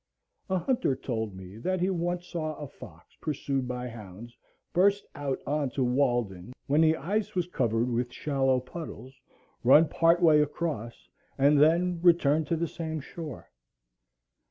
A hunter told me that he once saw a fox pursued by hounds burst out on to Walden when the ice was covered with shallow puddles, run part way across, and then return to the same shore.